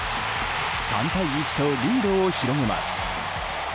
３対１とリードを広げます。